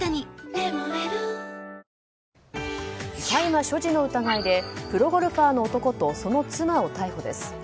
大麻所持の疑いでプロゴルファーの男とその妻を逮捕です。